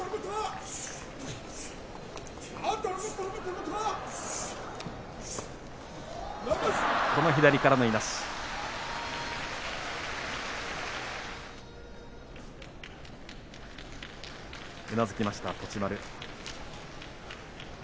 うなずきました栃丸。